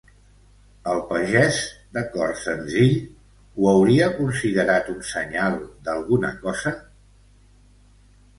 El pagès de cor senzill, ¿ho hauria considerat un senyal d'alguna cosa?